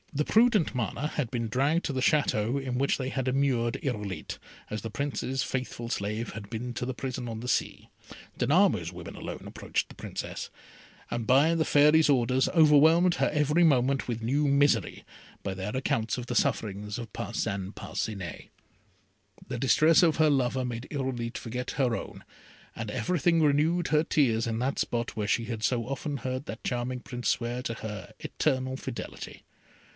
The prudent Mana had been dragged to the Château in which they had immured Irolite, as the Prince's faithful slave had been to the prison on the sea. Danamo's women alone approached the Princess, and by the Fairy's orders overwhelmed her every moment with new misery, by their accounts of the sufferings of Parcin Parcinet. The distresses of her lover made Irolite forget her own, and everything renewed her tears in that spot where she had so often heard that charming Prince swear to her eternal fidelity.